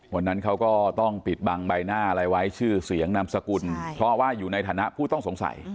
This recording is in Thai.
วันนั้นเขาก็ต้องปิดบังใบหน้าอะไรไว้ชื่อเสียงนามสกุลเพราะว่าอยู่ในฐานะผู้ต้องสงสัย